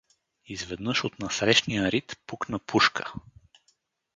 Изведнъж от насрещния рид пукна пушка.